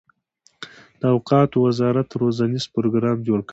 د اوقافو وزارت روزنیز پروګرام جوړ کړي.